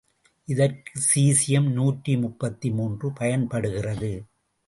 இதற்குச் சீசியம் நூற்றி முப்பத்து மூன்று பயன்படுகிறது.